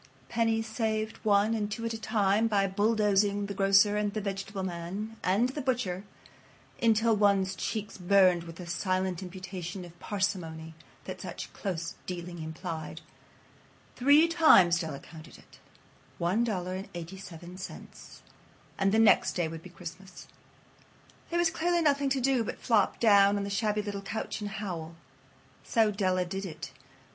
Pennies saved one and two at a time by bulldozing the grocer and the vegetable man and the butcher until one's cheeks burned with the silent imputation of parsimony that such close dealing implied. Three times Della counted it. One dollar and eighty seven cents. And the next day would be Christmas. There was clearly nothing to do but flop down on the shabby little couch and howl. So Della did it.